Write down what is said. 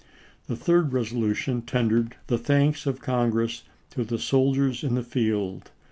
The third resolution tendered the thanks of Congress to Dec0 8, the soldiers in the field.